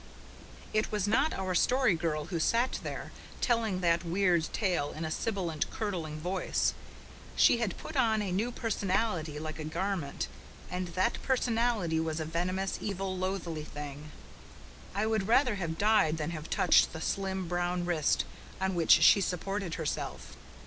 It was not our Story Girl who sat there, telling that weird tale in a sibilant, curdling voice. She had put on a new personality like a garment, and that personality was a venomous, evil, loathly thing. I would rather have died than have touched the slim, brown wrist on which she supported herself.